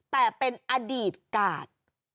แต่เป็นอดีตกาด